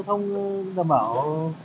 tài xế đảm bảo